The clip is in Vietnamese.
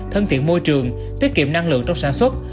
thân thiện môi trường tiết kiệm năng lượng trong sản xuất